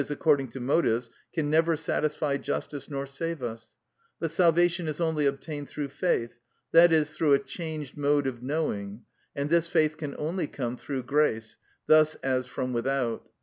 _, according to motives, can never satisfy justice nor save us; but salvation is only obtained through faith, i.e., through a changed mode of knowing, and this faith can only come through grace, thus as from without.